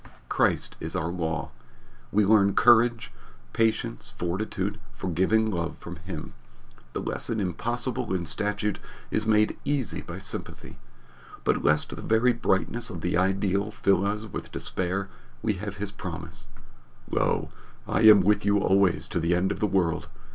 Christ is our law. We learn courage, patience, fortitude, forgiving love from him. The lesson impossible in statute is made easy by sympathy. But lest the very brightness of the ideal fill us with despair we have his promise, "Lo, I am with you alway to the end of the world!